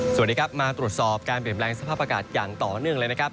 สวัสดีครับมาตรวจสอบการเปลี่ยนแปลงสภาพอากาศอย่างต่อเนื่องเลยนะครับ